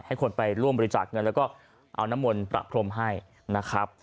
ให้คนไปร่วมบริจาคเงินแล้วก็เอาน้ำมนต์ประพรมให้นะครับ